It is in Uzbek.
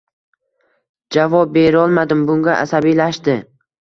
Javob berolmadim, bunga asabiylashdi